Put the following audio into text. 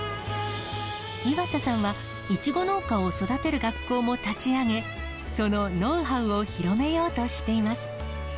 岩佐さんは、イチゴ農家を育てる学校も立ち上げ、そのノウハウを広めようとしています。